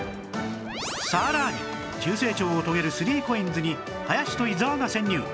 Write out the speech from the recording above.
さらに急成長を遂げる ３ＣＯＩＮＳ に林と伊沢が潜入